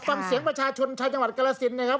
ฟังเสียงประชาชนชาวจังหวัดกรสินนะครับ